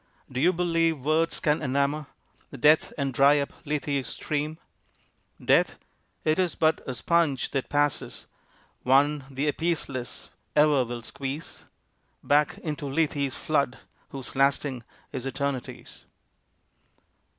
Do you believe words can enamour Death and dry up Lethe's stream? Death? it is but a Sponge that passes, One the Appeaseless e'er will squeeze Back into Lethe's flood whose lasting Is eternities.